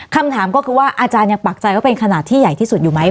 คำถามก็คือว่าอาจารย์ยังปักใจว่าเป็นขนาดที่ใหญ่ที่สุดอยู่ไหม